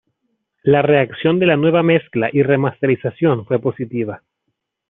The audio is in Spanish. La reacción de la nueva mezcla y remasterización fue positiva.